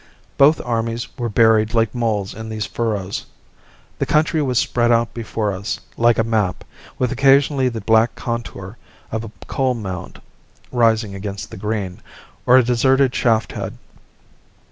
Both armies were buried like moles in these furrows. The country was spread out before us, like a map, with occasionally the black contour of a coal mound rising against the green, or a deserted shaft head.